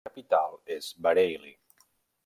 La capital és Bareilly.